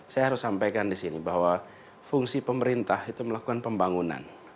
saya harus sampaikan di sini bahwa fungsi pemerintah itu melakukan pembangunan